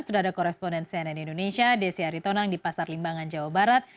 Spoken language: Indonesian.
sudah ada koresponden cnn indonesia desi aritonang di pasar limbangan jawa barat